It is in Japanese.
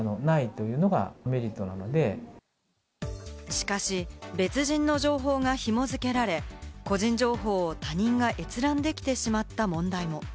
しかし別人の情報がひも付けられ、個人情報を他人が閲覧できてしまった問題も。